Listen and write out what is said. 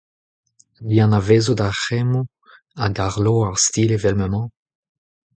Dianavezout ar cʼhemmoù hag arloañ ar stil evel m’emañ ?